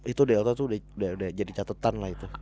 itu delta udah jadi catetan lah itu